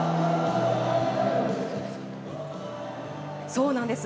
そうなんです